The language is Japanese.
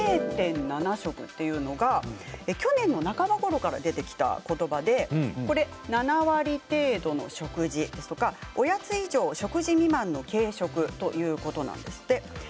食というのは去年の半ばごろから出てきたことばで７割程度の食事ですとかおやつ以上食事未満の軽食のことです。